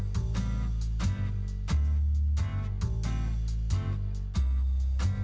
dar tanzir kangen banget sama papa